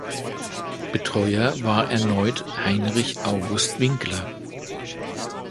Betreuer war erneut Heinrich August Winkler.